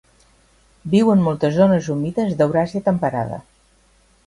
Viu en moltes zones humides d'Euràsia temperada.